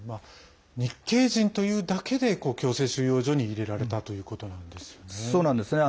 日系人というだけで強制収容所に入れられたということなんですよね。